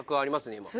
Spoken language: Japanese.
今。